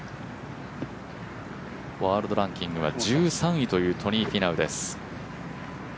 ワールドランキングが１３位というトニー・フィナウです。